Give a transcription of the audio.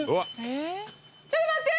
ちょっと待って。